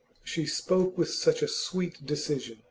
She spoke with such a sweet decision.